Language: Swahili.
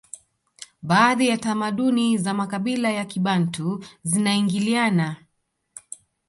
baadhi ya tamaduni za makabila ya kibantu zinaingiliana